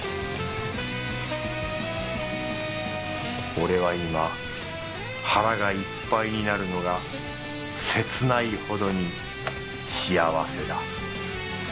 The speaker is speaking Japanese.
俺は今腹がいっぱいになるのが切ないほどに幸せだ